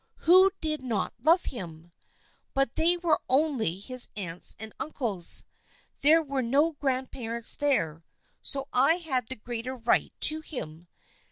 Who did not love him ? But they were only his aunts and uncles. There were no grandparents there, so I had the greater right to him.